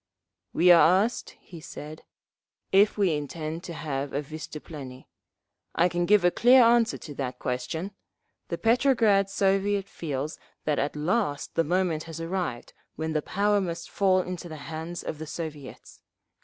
"We are asked," he said, "if we intend to have a vystuplennie. I can give a clear answer to that question. The Petrograd Soviet feels that at last the moment has arrived when the power must fall into the hands of the Soviets.